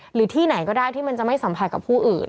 หรือที่ไหนก็ได้ที่มันจะไม่สัมผัสกับผู้อื่น